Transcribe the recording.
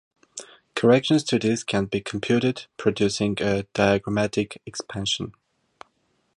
Corrections to this can be computed, producing a diagrammatic expansion.